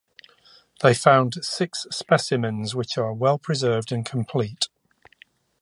They found six specimens which are well preserved and complete.